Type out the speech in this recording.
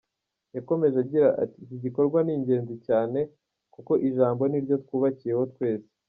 Yakomeje agira ati “Iki gikorwa ni ingenzi cyane kuko ijambo niryo twubakiyeho twese.